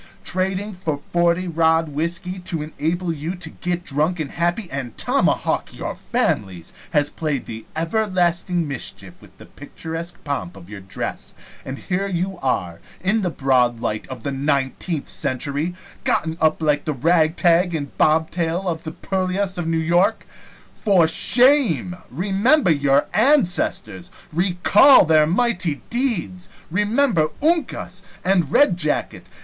Trading for forty rod whisky, to enable you to get drunk and happy and tomahawk your families, has played the everlasting mischief with the picturesque pomp of your dress, and here you are, in the broad light of the nineteenth century, gotten up like the ragtag and bobtail of the purlieus of New York. For shame! Remember your ancestors! Recall their mighty deeds! Remember Uncas! and Red jacket!